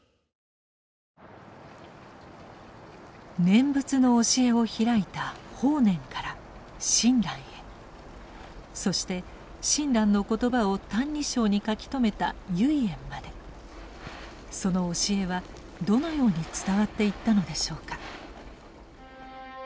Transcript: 念仏の教えを開いた法然から親鸞へそして親鸞の言葉を「歎異抄」に書き留めた唯円までその教えはどのように伝わっていったのでしょうか。